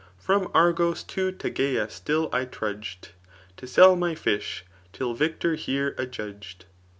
From Argos to Tegea still I trudgM, To sell my fish, till victor here adjudged.